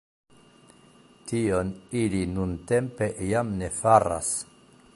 Tion ili nuntempe jam ne faras.